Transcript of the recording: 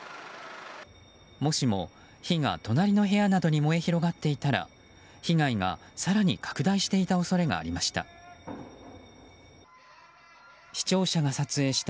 もしも、火が隣の部屋などに燃え広がっていたら被害が更に拡大していた恐れがありました。